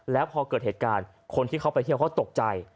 แล้วพอเกิดเหตุการณ์คนที่เขาไปเที่ยวเขาตกใจ